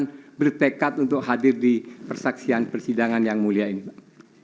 yang bertekad untuk hadir di persaksian persidangan yang mulia ini pak